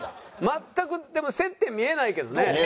全くでも接点見えないけどね。